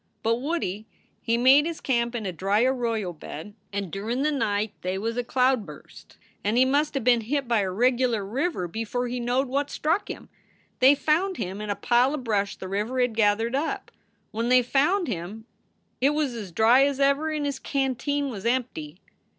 "But Woodie he made his camp in a dry arroyo bed, and durin the night they was a cloudburst, and he must a been hit by a regular river before he knowed what struck him. They found him in a pile of brush the river had gethered up. When they found him it was as dry as ever and his canteen was empty.